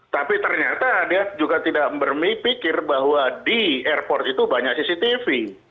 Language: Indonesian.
tapi ternyata dia juga tidak bermikir bahwa di airport itu banyak cctv